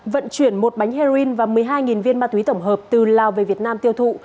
vận chuyển một bánh heroin và một mươi hai viên ma túy tổng hợp từ lào về việt nam tiêu thụ